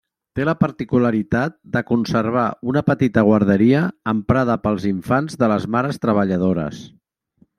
Té la particularitat de conservar una petita guarderia emprada pels infants de les mares treballadores.